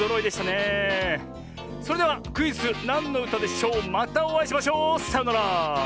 それではクイズ「なんのうたでしょう」またおあいしましょう。さようなら！